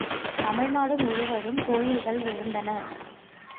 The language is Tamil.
தமிழ்நாடு முழுவதும் கோயில்கள் எழுந்தன.